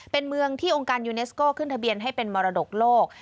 เป็นเมืองที่องค์การยูเนสโก้ขึ้นทะเบียนให้เป็นมรดกโลก